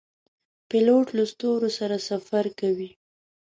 پیلوټ له ستورو سره سفر کوي.